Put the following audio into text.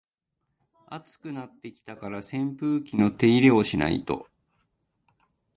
暑くなってきたから扇風機の手入れしないと